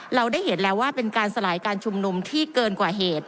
เราได้เห็นแล้วว่าเป็นการสลายการชุมนุมที่เกินกว่าเหตุ